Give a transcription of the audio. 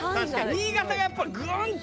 新潟がやっぱりグーンと。